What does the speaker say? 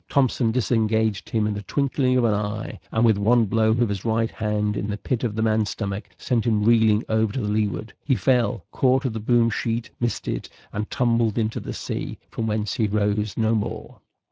Thompson disengaged him in the twinkling of an eye, and with one blow of his right hand in the pit of the man's stomach, sent him reeling over to leeward. He fell caught at the boom sheet missed it, and tumbled into the sea, from whence he rose no more.